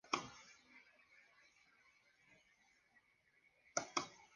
A su regreso se involucró de nuevo en el trabajo de la organización bolchevique.